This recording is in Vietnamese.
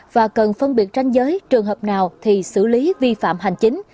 và cần phân biệt ranh giới trường hợp nào thì xử lý vi phạm hành chính